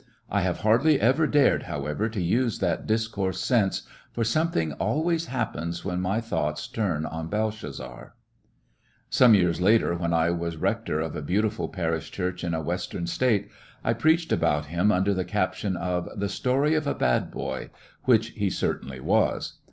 I have hardly ever dared, however, to use that discourse since, for something always happens when my thoughts turn on Belshazzar. The story of a Some years later, when I was rector of a ^ beautiful parish church in a Western State, I preached about him under the caption of "The Story of a Bad Boy," which he certainly was.